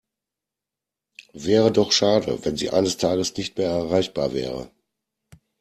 Wäre doch schade, wenn Sie eines Tages nicht mehr erreichbar wäre.